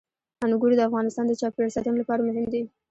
انګور د افغانستان د چاپیریال ساتنې لپاره مهم دي.